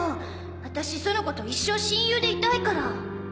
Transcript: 私園子と一生親友でいたいから！